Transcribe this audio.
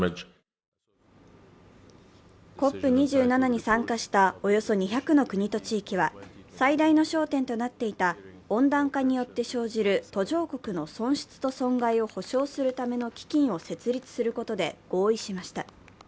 ＣＯＰ２７に参加したおよそ２００の国と地域は最大の焦点となっていた温暖化によって生じる途上国の損失と損害を補償するための基金を設立することで合意しました。